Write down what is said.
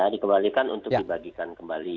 dikembalikan untuk dibagikan kembali